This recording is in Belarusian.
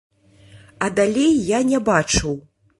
А далей я не бачыў.